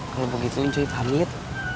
kalau begitu cuy pamit